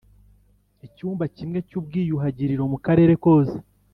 icyumba kimwe cy ubwiyuhagiriro mu karere kose